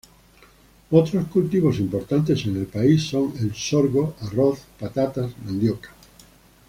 Otros cultivos importantes en el país son el sorgo, arroz, patatas, mandioca.